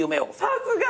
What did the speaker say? さすが！